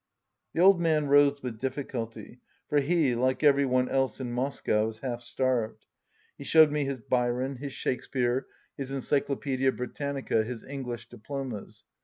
The old man rose with difficulty, for he, like every one else in Moscow, is half starved. He showed me his Byron, his Shakespeare, his En 190 cyclopsedia Britannica, his English diplomas.